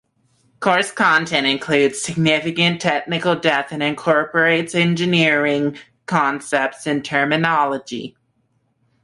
Course content includes significant technical depth and incorporates engineering concepts and terminology.